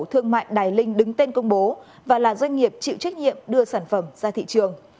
thương mại đài linh đứng tên công bố và là doanh nghiệp chịu trách nhiệm đưa sản phẩm ra thị trường